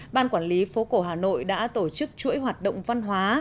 ban quản lý phố cổ hà nội đã tổ chức chuỗi hoạt động văn hóa